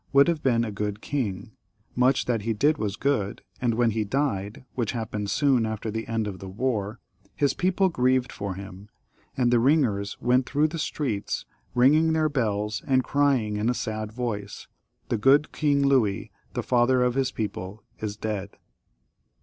would have been a good king ; much that he did was good, and when he died, which happened soon after the end of the war, his people grieved for him, and the ringers went through the streets soimding their beUs and crying in a sad voice, The good King Louis, the father of his people, is dead.